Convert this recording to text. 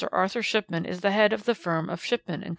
Arthur Shipman is the head of the firm of Shipman and Co.